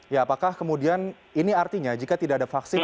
ya apakah kemudian ini artinya jika tidak ada vaksin